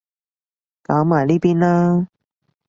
搞埋呢邊啦